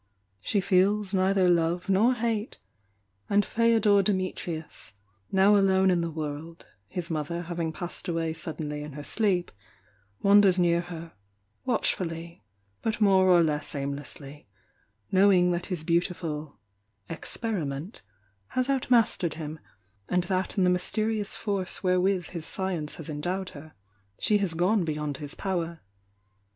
She feels neither love nor hate: and Feodor Dimitrius, now alone in the world, his moth er having passed away suddenly in her sleep, wan ders near her, watchfully, but more or less aimlessly, knowing that his beautiful "experiment" has out mastered him, and that in the mysterious force wherewith his science has endowed her, she has gone beyond his power.